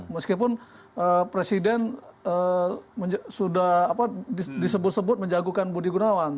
meskipun presiden sudah disebut sebut menjagukan budi gunawan